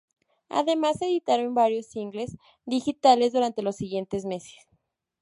Además, editaron varios singles digitales durante los siguientes meses.